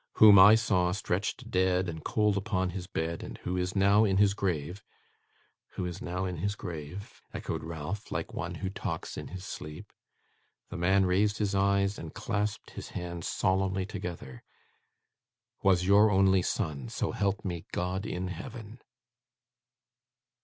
'Whom I saw, stretched dead and cold upon his bed, and who is now in his grave ' 'Who is now in his grave,' echoed Ralph, like one who talks in his sleep. The man raised his eyes, and clasped his hands solemnly together: ' Was your only son, so help me God in heaven!